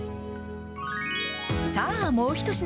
さあ、もう１品。